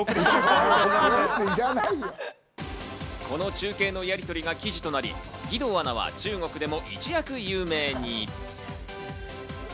この中継のやりとりが記事となり、義堂アナは中国でも一躍有名に。